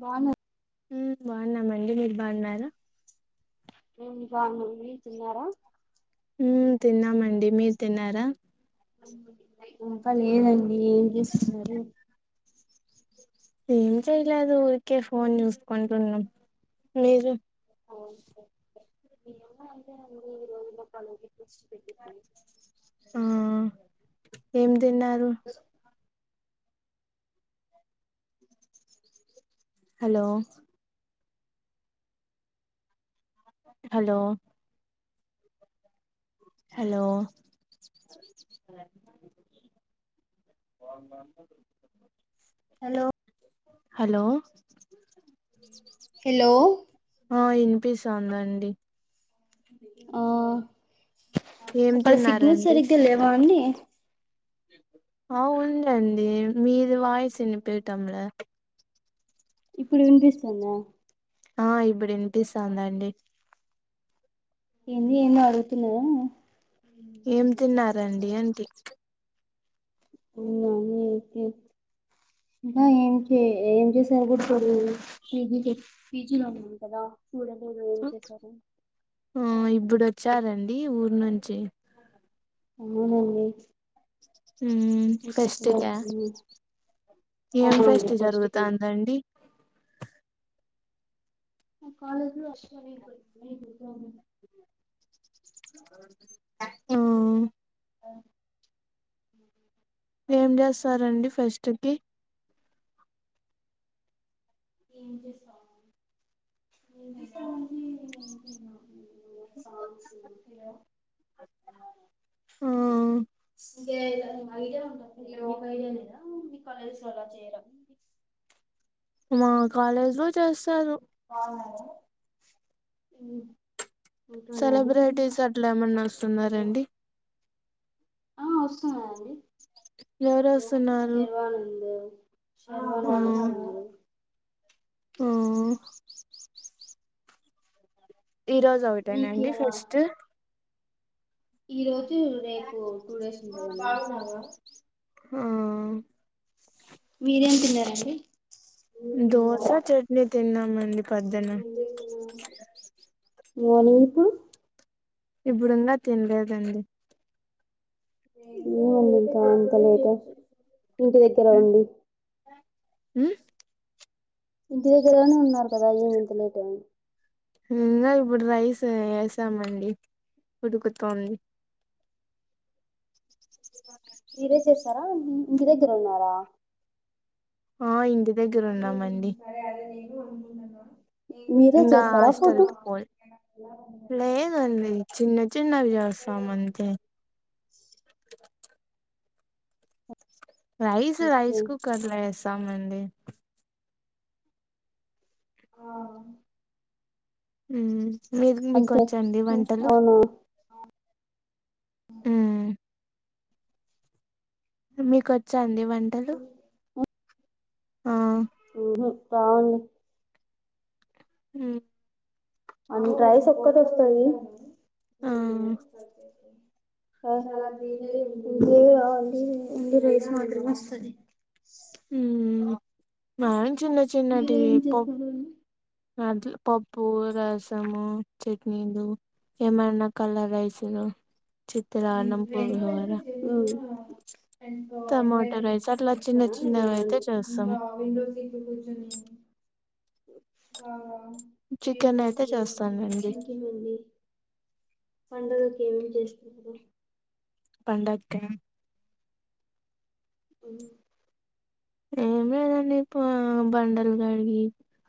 బాన్నావా బాగున్నామండి మీరు బాగున్నారు హు బాగున్నానండి తిన్నారా ఉమ్ తిన్నామండి మీరు తిన్నారా ఇంకా లేదండి ఏం చేస్తున్నారు ఏం చేయలేదు ఊరికే ఫోన్ చూసుకుంటున్నాం మీరు ఓమ్ కేమ అే అజ ప్రో ఉ ఏం తిన్నారు? హలో హలో హలో వాన్ దంట్ల హలో హలో హలో ఆ వినిపిస్తది అండి ఆ ఏం ఒకడ సిగ్నల్ తిన్నారండి సరిగ్గా లేవా అండి ఆ ఉందండి మీరు వాయిస్ వినిపియటంలే ఇప్పుడు వినిపిస్తందా ఆ ఇప్పుడు వినిపిస్తది అండి ఏంది ఎందో అడుగుతున్నారు? ఏం తిన్నారండి అంటి? అవునా అన్నయ్య కి ఏం చే ఏం చేసారు వుడు ఫో ఉ పీజీకే పీజీలోనే ఉంటదా సూడెంట్ ఏదో ఏం చేశారు దుడుడోచ్చారండి ఊరు నుంచి అవునండి ఉమ్ ఇంకెప్పుడు ఫెస్ట్కా వస్తుంది ఏం అవునండి ఫెస్ట్ ఫస్ట్ కి జరుగుతాంది అండి ఉ కాలేజ్ లో అక్షర్ వీడిపోయింది ఏంటిది ప్రాబ్లమ్ ఆ అ ఏం చేస్తారండి ఫెస్ట్ కి ఏం చేస్తాం [unintelligible] ఉమ్ సాంగ్స్ వినిపియ్య ఆ ఆ ఇంగేకారా ఐడియా ఉంటంది మీరు ఒక ఐడియా లేదా మీ కాలేజెస్ లో అలా చేయడం మా కాలేజ్ లో చేస్తారు. అవును సెలబ్రిటీస్ అట్లా ఏమన్నా వస్తున్నారండి? ఆ వస్తున్నారండి ఎవరు ఇదో వస్తున్నారు శర్వానందు ఆ శర్వానంద్ వస్తుండు ఆ ఈ రోజు ఒకటేనా మీకు అండి ఎలా ఫెస్ట్ ఈ రోజు రేపు టూ డేస్ ఉంటదండి హా మీరు ఏం తిన్నారండి? దోశ చట్నీ తిన్నామండి పొద్దున నా నీకు ఇప్పుడు ఉన్నా తినలేదండి ఏమో అండి ఇంకా ఇంత లేక ఇంటి దగ్గర ఉండి ఉ ఇంటి దగ్గరనే ఉన్నారు కదా ఏమి ఇంతలేటు అయ్యింది ఇంకా ఇప్పుడు రైస్ వేసామండి ఉడుకుతోంది తుపాట్ మీరే చేసారా ఇంటి దగ్గర ఉన్నారా ఆ ఇండి ఉ సరే అదే నేను అనుకుంటున్న ఇంగా హాస్టల్ కి పోయి. లేదండి, చిన్న చిన్నవి చేస్తాం అంతే. రైస్, ఓకే రైస్ కుక్కర్లో ఏస్తామండి. ఆ. ఉమ్, మీక్, మీకు అంతే ఓచ్చండి వంటలు. అవునా ఉమ్మ్. మీకోచ్చ అండి వంటలు. ఆ ఉహు రావండి. ఉ. అన్నీ రైస్ ఎక్కడ ఓస్తాది. ఆ ఓన్లీ రైస్ మాత్రమే ఓస్తది. ఉమ్, నాయి చిన్న, చిన్నటి మీరేం పప్ చేస్తారు అట్ల్. పప్పు, రసము, చట్నీలు ఏమన్నా కలర్ రైసులు చిత్ర అన్నం, పులిహోర టమాట రైస్, అట్లా చిన్న, చేస్తారా అండి మీరు చిన్నవి అట్లా అయితే చేస్తాం. ఆ. చికెన్ అయితే చేస్తానండి [inaudible] పండగకి ఏమేం చేస్తారు. పండక్క. ఉమ్. ఏం లేదండి, ఇప్పడ్ ఆ బండల్గడగి,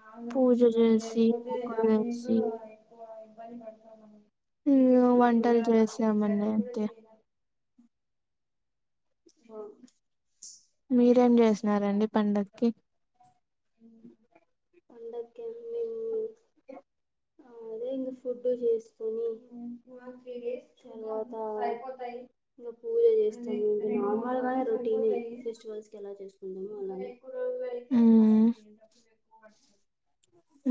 అవును, మళ్ళీ లేకపోతే ముగ్గులు హాఫ్ మినిట్ వేసి ఎక్కువ ఇబ్బంది పడతాము. ఇగ టికెట్ వంటలు లేకుండా, ఏ చేసామండి జర్నీ గుడా అంతే జేయాలెం. ఆ. మీరేం జేసినారండి పండాక్కి? పండగ్కి ఏం లెవ్వు. ఇంగ ఫుడ్ జేసుకొని, తర్వాత పూజ జేస్తా, రొటీన్ ఫెస్టివల్స్ కెలా జేసుకుంటామో అలా. [inaudible] ఉమ్మ్. ఏ పండక్కి ఎక్కువ [inaudible]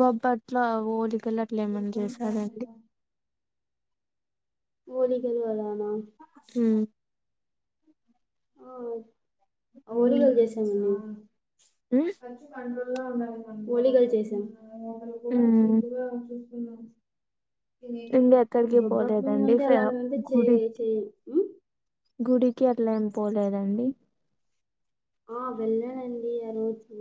బొబ్బట్ల, ఓలికలు అట్లా ఏమన్నా చేసారండి. ఓలికలు గదా. ఉమ్. ఓరిగలు జేసా. [unintelligible] ఒలిగాలు చేసింద్. ఉమ్ ఇంగ ఎక్కడికి బొబ్బట్లు పోలేదండి అంటే, ఫ అలాంటివి అయితే గుడి చెయి, చెయి ఉమ్. గుడికి అట్ల ఏమ్ పోలేదండి. ఆ వెళ్ళానండి ఆ రోజు,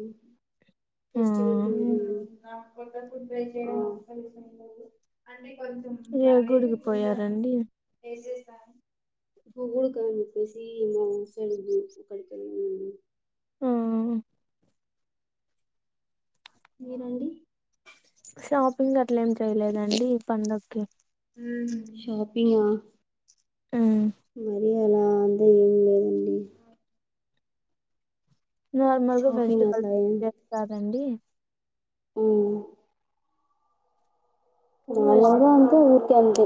ఆ ఫెస్టివల్ రో. [unintelligible] ఆ కొత్త, కొత్తాయి చెయ్యడానికి పెర్మిషన్ ఉండదు. ఏ గుడికి పోయారండి. [unintelligible] హుమ్మ్. మీరండి. షాపింగ్, అట్లా ఏం చేయలేదండి ఈ పండక్కి. షాపింగు. ఉమ్ మరి అలా [unintelligible] లేదండి. నార్మల్గా షాపింగ్ ఫెస్టివల్ అట్లా ఏం చేస్తారండి. ఉమ్. వెస్ [unintelligible] అంటే.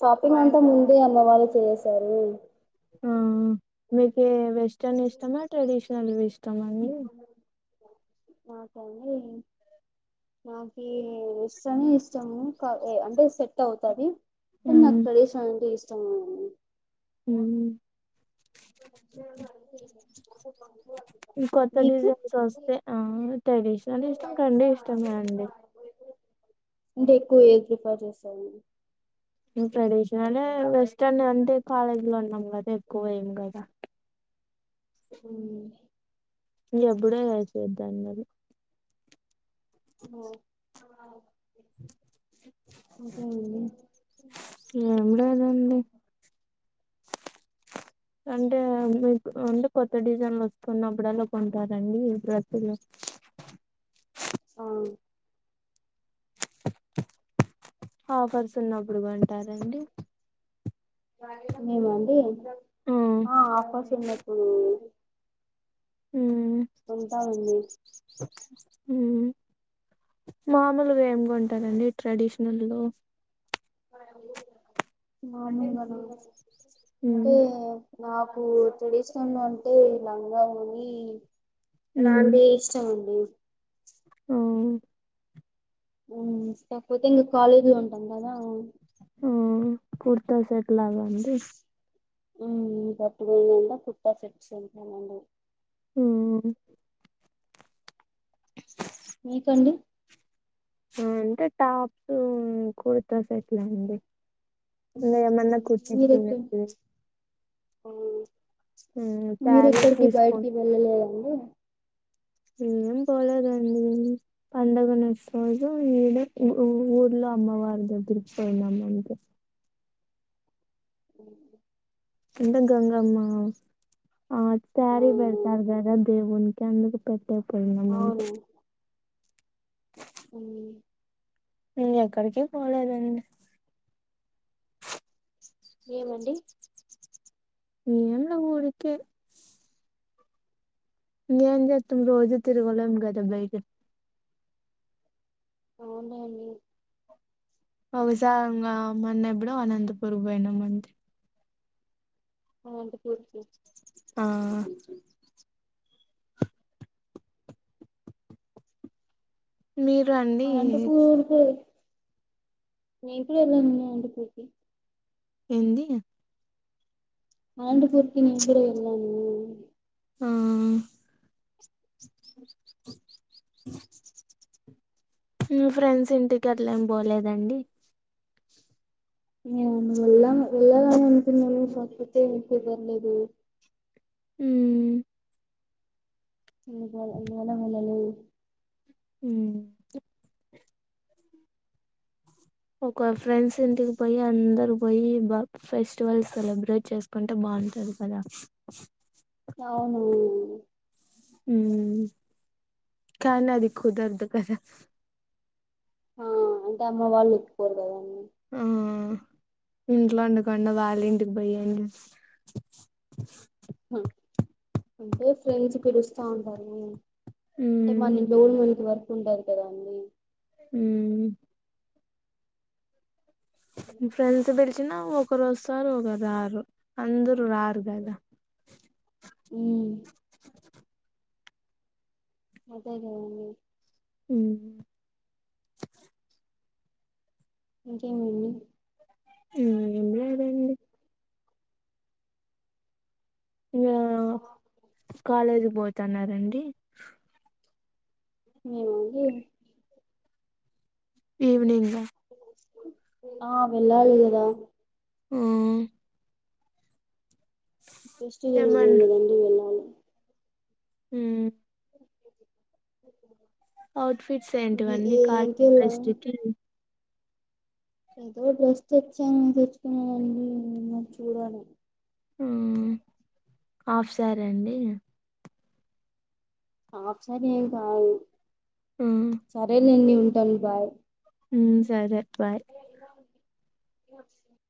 షాపింగ్ అంటె ముందే అన్నయ్య వాళ్ళు చేసేసారు హ్మ్మ్ మీకు వెస్ట్రన్ ఇష్టమా ట్రెడిషనల్ వి ఇష్టమా అండి? నాకండి నాకి వవెస్ట్రన్ ఇష్టము అంటే సెట్ అవుతది కానీ నాకు ఉమ్ ట్రేడిషనల్ అంటే ఇష్టమేనండి హ్మ్మ్ [inaudible] కొత్త మీకు డిజైన్స్ వస్తే ఆ ట్రెడిషనల్ ఇష్టం రెండు ఇష్టమే అండి అంటే ఎక్కువ ఏదీ ప్రిఫెర్ చేస్తావు? ట్రెడిషనల్ ఎ వెస్టర్న్ అంటే కాలేజీ లో ఉన్నాం కదా ఎక్కువ వేయం కదా ఉహ్మ్మ్ ఎప్పుడో అయిపోతన్నది ఓ [inaudible] ఎం లేదండి అంటే మీరు అంటే కొత్త డిజైన్లు వస్తుకున్నప్పుడలా కొంటారండి డ్రెస్సులు? హ ఆఫర్స్ ఉన్నప్పుడు కొంటారా అండి హ్మ్ ఆ ఆఫర్స్ ఉన్నపుడు కొంటా నండి హ్మ్మ్ మాములు వి ఎం కొంటారండి ట్రెడిషనల్ లో? మాములు వా ఉమ్ అంటే నాకు ట్రెడిషనల్ అంటే లంగా ఓని అలాంటి ఇష్టం అండి హ్మ్ హ్మ్మ్ కాకపోతే ఇంకా కాలేజీ లో ఉంటాం కదా కుర్తా సెట్ లాగా అండి [inaudible] హ్మ్మ్ మీకండి హ్మ్ అంటే టాప్ కుర్తా సెట్ అండి ఇకా ఏమన్నా కుర్తి మీరెక్క [inaudible] శారీ మీరెక్కడికి బయటికి తీసుకొని వేళ్ళ లేదా అండి ఏం పోలేద్ అండి పండగ నెక్స్ట్ రోజు ఇడా ఊర్లో అమ్మవారి దగ్గరికి పోయినామ అంతె ఉ అంటే గంగమ్మ ఆ ఆ సారీ పెడతారు కదా దేవున్ ఎందుకు పెట్టే పోయిన [inaudible] హ్మ్ మేం ఎక్కడికి పోలేదండి ఏమండి ఏమ్లా ఊరికే ఎం చేతం రోజు తిరుగలేం కదా బైకి అవును అండి బహుశా మొన్న ఎప్పుడో అనంతపూర్ కి పోయినామంతే అనంతపూర్ కి ఆ మీరు అండి అనంతపూర్ కి నేను ఇప్పుడు వెళ్ళాను అనంతపూర్ కి ఏంది అనంతపూర్ కి నేను కూడా వెళ్లానండి ఆ మీ ఫ్రెండ్స్ ఇంటికి అట్ల ఏం పోలేదండి ఉ వెళ్ళా వెళ్ళాలని అనుకున్నాను కాకపోతే కుదరలేదు ఉ ఇంకా అందువల్ల వెళ్లలేదు ఉ ఒక ఫ్రెండ్స్ ఇంటికి పోయి అందరు పోయి బా ఫెస్టివల్స్ సెలబ్రేట్ చేసుకుంటే బా అంటరు కదా అవును హు కుదరదు కదా ఆ అంటే అమ్మ వాళ్ళు ఒప్పుకోరు కదా ఆ ఇంట్లో ఉండకుండా వాలి ఇంటికి బయండి హు అంటే ఫ్రెండ్స్ పిలుస్తా ఉంటారు అంటే ఉమ్ మనలో కూడా మనకు వర్క్ ఉంటాది కదా అండి ఉ ఫ్రెండ్స్ బిల్ చ్చినా ఒకరు వస్తారు ఒకరు రారు అందరు రారు కదా ఉ అదే కదండీ ఉ ఇంకేంమండి ఆ ఏం లేదండి ఇంగ కాలేజీ పోతన్నారండి ఇంగేమి ఈవినింగ్ ఆ వెళ్ళాలి కదా ఆ ఫస్ట్ ఇయర్ ఏమన్ కదండీ వెళ్ళాలి ఉ ఔట్ ఫిట్స్ ఇంక ఏంటివన్నీ ఏ ఇంకెలా కాలేజ్స్కి ఏదో డ్రెస్ తెచ్చాను తెచ్చుకున్నానండి చూడాలి ఆ హాఫ్ సారే అండి ఆఫ్ సారి ఏం కాదు సరేలేండి ఉంటాను బాయ్ ఉ సరే బాయ్